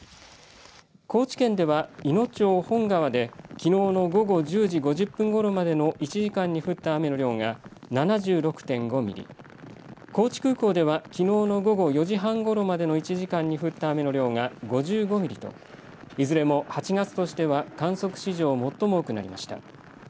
高知県でではいの町本川できのうの午後１０時５０分ごろまでの１時間に降った雨の量が７６．５ミリ、高知空港ではきのうの午後４時半ごろまでの１時間に降った雨の量が５５ミリといずれも８月としては観測史上、最も多くなりました。